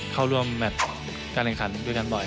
เข้าร่วมแมตท์การเล่นขันด้วยบ่อย